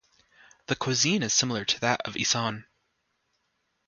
The cuisine is similar to that of Isan.